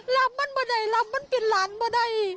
รับมันไม่ได้รับมันเป็นหลานบ่ได้